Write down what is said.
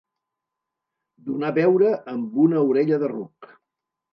Donar beure amb una orella de ruc.